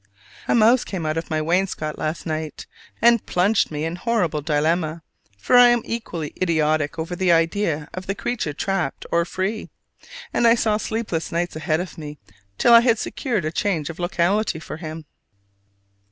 A mouse came out of my wainscot last night, and plunged me in horrible dilemma: for I am equally idiotic over the idea of the creature trapped or free, and I saw sleepless nights ahead of me till I had secured a change of locality for him.